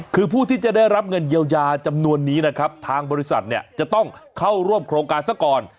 คือผู้ที่จะได้รับเงินเยียวยาจำนวนนี้นะครับทางบริษัทเนี่ยจะต้องเข้าร่วมโครงการซะก่อน